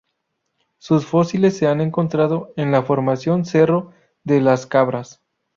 Sus fósiles se han encontrado en la Formación Cerro de las Cabras.